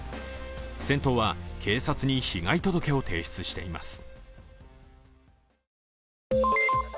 銭湯は警察に被害届を提出しています。